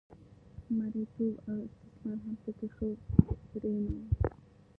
مریتوب او استثمار هم په کې ښه پرېنه و